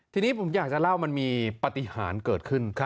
ทีนี้ผมอยากจะเล่ามันมีปฏิหารเกิดขึ้น